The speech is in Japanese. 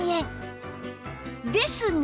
ですが！